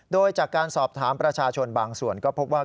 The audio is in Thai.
โดยจากการสอบถามประชาชนบางส่วนก็พบว่า